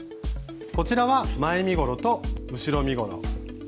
こちらは前身ごろと後ろ身ごろ。